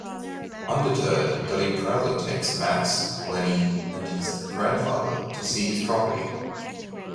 Undeterred, Duddy proudly takes Max, Lenny and his grandfather to see his property.